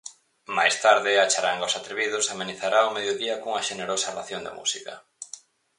Máis tarde, a charanga Os Atrevidos amenizará o mediodía cunha xenerosa ración de música.